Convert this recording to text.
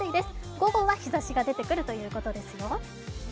午後は日ざしが出てくるということですよ。